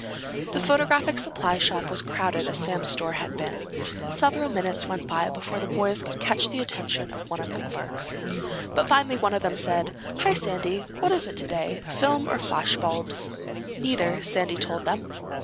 The photographic supply shop was as crowded as Sam's store had been. Several minutes went by before the boys could catch the attention of one of the clerks. But finally one of them said, "Hi, Sandy. What is it today? Film or flash bulbs?" "Neither," Sandy told him.